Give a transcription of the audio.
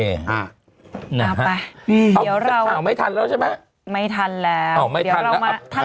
อ่าเอาไปเดี๋ยวเราข่าวไม่ทันแล้วใช่ไหมไม่ทันแล้วเดี๋ยวเรามาทัน